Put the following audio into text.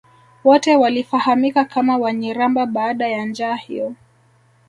wote walifahamika kama Wanyiramba baada ya njaa hiyo